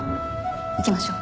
行きましょう。